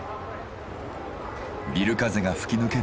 ビル風が吹き抜ける